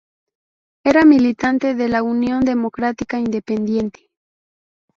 Era militante de la Unión Demócrata Independiente.